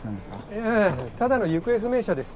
いえただの行方不明者です。